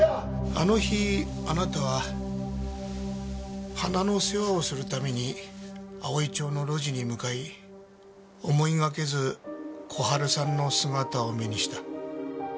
あの日あなたは花の世話をするために葵町の路地に向かい思いがけず小春さんの姿を目にした。